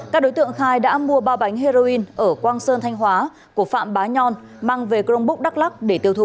các đối tượng khai đã mua ba bánh heroin ở quang sơn thanh hóa của phạm bá nhon mang về crong búc đắk lắc để tiêu thụ